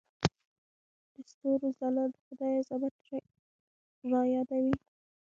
د ستورو ځلا د خدای عظمت رايادوي.